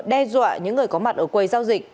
đe dọa những người có mặt ở quầy giao dịch